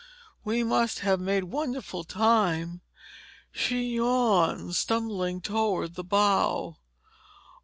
"We must have made wonderful time—" she yawned, stumbling toward the bow.